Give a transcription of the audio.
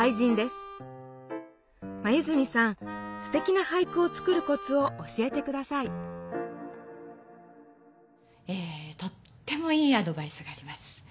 すてきな俳句をつくるコツを教えて下さいとってもいいアドバイスがあります。